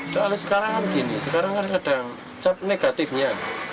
soalnya sekarang kan gini sekarang kan sedang cap negatifnya